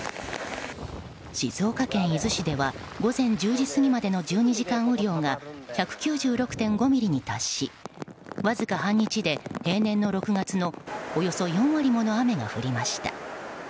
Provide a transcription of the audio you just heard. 静岡県伊豆市では午前１０時過ぎまでの１２時間雨量が１９６．５ミリに達しわずか半日で平年の６月のおよそ４割もの雨が降りました。